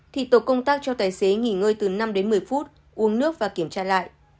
thì tổ công tác cho tài xế nghỉ ngơi từ năm đến một mươi phút uống nước và kiểm tra lại